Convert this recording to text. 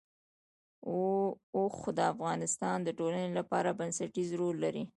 اوښ د افغانستان د ټولنې لپاره بنسټيز رول لري.